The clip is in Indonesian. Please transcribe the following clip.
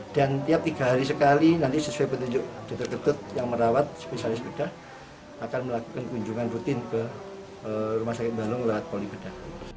dan tiap tiga hari sekali nanti sesuai petunjuk dokter dokter yang merawat spesialis bedah akan melakukan kunjungan rutin ke rumah sakit balung melihat poli bedah